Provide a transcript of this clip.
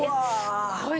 すっごい。